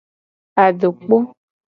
Adokpo.